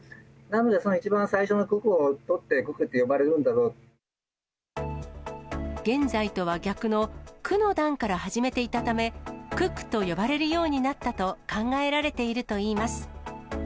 なのでその一番最初の九九を取って、現在とは逆の、９の段から始めていたため、九九と呼ばれるようになったと考えられているといいます。